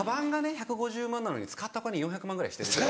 １５０万なのに使ったお金４００万ぐらいしてる。